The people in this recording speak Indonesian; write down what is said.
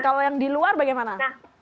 kalau yang di luar bagaimana